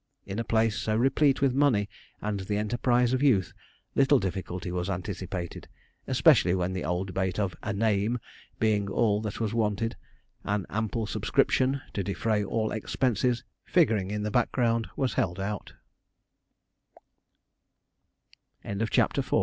In a place so replete with money and the enterprise of youth, little difficulty was anticipated, especially when the old bait of 'a name' being all that was wanted, 'an ample subscription,' to defray all expenses figuring in the